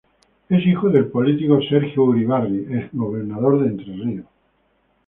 Es hijo del político Sergio Urribarri, ex gobernador de Entre Ríos.